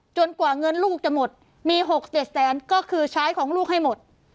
กว่าเงินลูกจะหมดมี๖๗แสนก็คือใช้ของลูกให้หมด